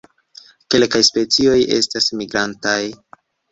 Kelkaj specioj estas migrantaj.